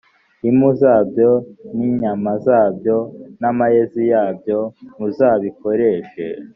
impu zabyo n’inyama zabyo n’amayezi yabyo muzabikoreshe